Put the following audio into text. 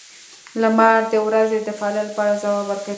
• لمر د ورځې د فعالیت لپاره ځواب ورکوي.